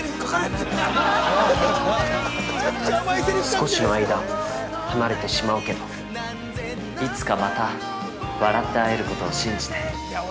少しの間、離れてしまうけどいつかまた、笑って会えることを信じて。